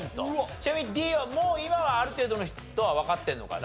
ちなみにＤはもう今はある程度の人はわかってるのかな？